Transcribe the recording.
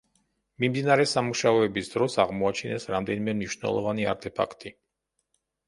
მიმდინარე სამუშაოების დროს აღმოაჩინეს რამდენიმე მნიშვნელოვანი არტეფაქტი.